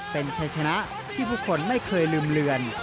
เป็นชัยชนะที่ผู้คนไม่เคยลืมเลือน